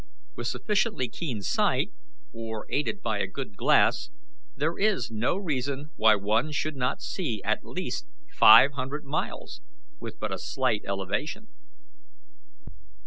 With sufficiently keen sight, or aided by a good glass, there is no reason why one should not see at least five hundred miles, with but a slight elevation."